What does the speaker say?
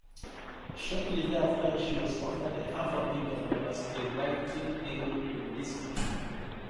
Shortly thereafter, she was offered a half-million dollar screenwriting deal with Disney.